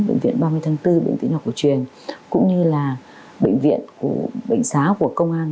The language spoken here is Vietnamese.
bệnh viện ba mươi tháng bốn bệnh viện học cổ truyền cũng như là bệnh viện của bệnh xá của công an